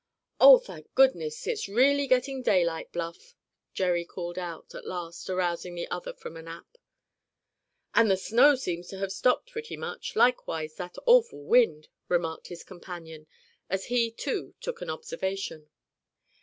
"Oh, thank goodness, it's really getting daylight, Bluff!" Jerry called out, at last, arousing the other from a nap. "And the snow seems to have stopped pretty much, likewise that awful wind," remarked his companion, as he, too, took an observation.